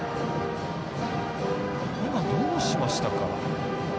今、どうしましたか。